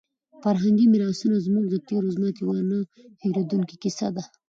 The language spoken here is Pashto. فرهنګي میراثونه زموږ د تېر عظمت یوه نه هېرېدونکې کیسه ده.